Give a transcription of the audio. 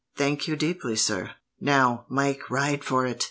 "Thank you deeply, sir. "Now, Mike, ride for it!"